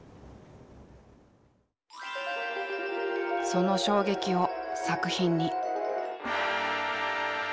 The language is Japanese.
その衝撃を作品に。